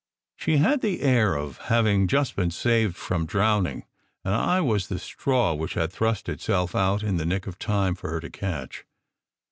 She had the air of having just been saved from drowning; and I was the straw which had thrust itself out in the nick of time for her to catch.